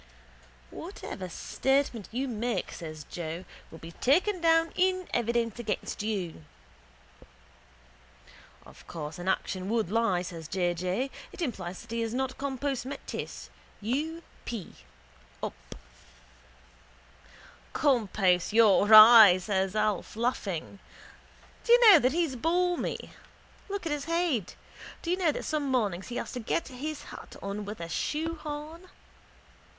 —Whatever statement you make, says Joe, will be taken down in evidence against you. —Of course an action would lie, says J. J. It implies that he is not compos mentis. U. p: up. —Compos your eye! says Alf, laughing. Do you know that he's balmy? Look at his head. Do you know that some mornings he has to get his hat on with a shoehorn.